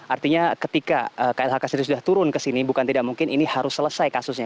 artinya ketika klhk sendiri sudah turun ke sini bukan tidak mungkin ini harus selesai kasusnya